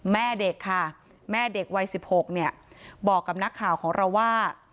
แม่เด็กค่ะแม่เด็กวัย๑๖เนี่ยบอกกับนักข่าวของเราว่า